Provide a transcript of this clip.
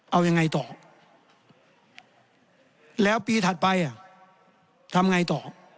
เอายังไงต่อแล้วปีถัดไปทำไงต่อ